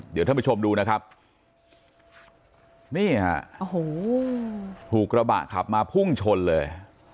เดี๋ยวท่านผู้ชมดูนะครับนี่ฮะโอ้โหถูกกระบะขับมาพุ่งชนเลย